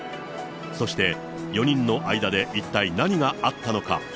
そして、４人の間で一体何があったのか。